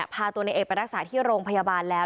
พาตัวในเอกไปรักษาที่โรงพยาบาลแล้ว